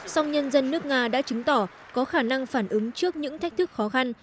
song nhân dân nước nga đã chứng tỏ có khả năng phản ứng trước những thách thức khó khăn